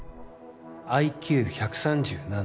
ＩＱ１３７